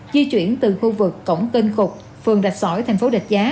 di chuyển từ khu vực cổng tên khục phường đạch sỏi thành phố đạch giá